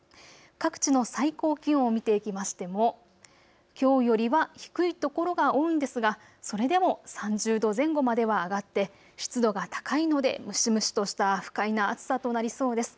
各地の最高気温を見ていきましてもきょうよりは低い所が多いんですがそれでも３０度前後までは上がって湿度が高いので蒸し蒸しとした不快な暑さとなりそうです。